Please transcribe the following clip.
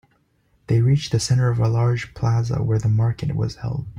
They reached the center of a large plaza where the market was held.